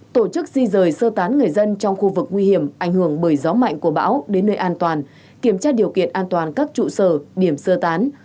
tổ chức di rời sơ tán người dân trong khu vực nguy hiểm ảnh hưởng bởi gió mạnh của bão đến nơi an toàn kiểm tra điều kiện an toàn các trụ sở điểm sơ tán